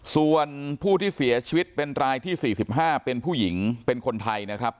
ส่วนผู้ที่เสียชีวิตเป็นรายที่๔๕เป็นผู้หญิงเป็นคนไทยนะครับ